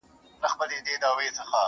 ورته څیري تر لمني دي گرېوان کړه،